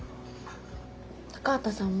高畑さんも？